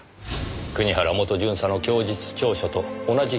国原元巡査の供述調書と同じ筆跡でした。